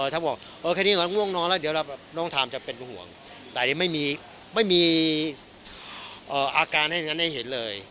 ถ้าบอกแค่นี้ก็ง่วงนอนแล้วเดี๋ยวน้องถามจะเป็นห่วงแต่ไม่มีอาการแบบนั้นให้เห็นเลย